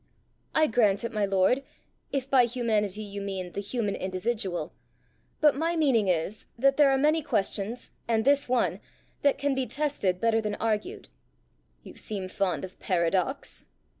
"I grant it, my lord, if by humanity you mean the human individual. But my meaning is, that there are many questions, and this one, that can be tested better than argued." "You seem fond of paradox!"